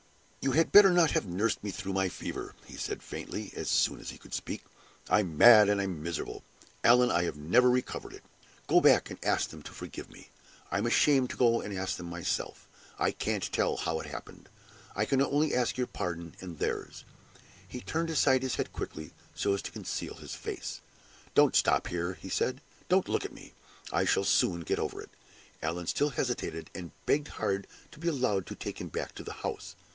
"You had better not have nursed me through my fever," he said, faintly, as soon as he could speak. "I'm mad and miserable, Allan; I have never recovered it. Go back and ask them to forgive me; I am ashamed to go and ask them myself. I can't tell how it happened; I can only ask your pardon and theirs." He turned aside his head quickly so as to conceal his face. "Don't stop here," he said; "don't look at me; I shall soon get over it." Allan still hesitated, and begged hard to be allowed to take him back to the house.